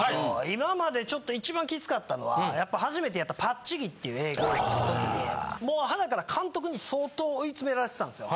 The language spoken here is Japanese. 今までちょっと一番きつかったのはやっぱ初めてやった『パッチギ！』って映画の時にもうハナから監督に相当追い詰められてたんですよ。